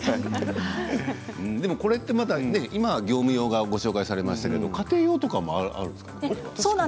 でも、これって今は業務用がご紹介されましたけど家庭用とかもあるんですか？